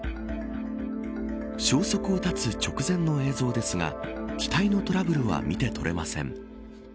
消息を絶つ直前の映像ですが機体のトラブルは見て取れません。